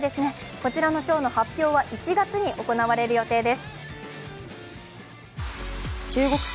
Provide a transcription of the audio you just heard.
こちらの賞の発表は１月に行われる予定です。